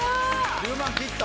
１０万切った？